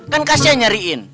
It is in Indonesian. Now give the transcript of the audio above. kan kasih nyariin